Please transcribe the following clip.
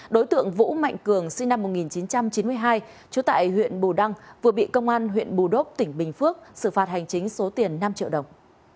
đối tượng vũ mạnh cường sinh năm một nghìn chín trăm chín mươi hai trú tại huyện bù đăng vừa bị công an huyện bù đốc tỉnh bình phước xử phạt hành chính số tiền năm triệu đồng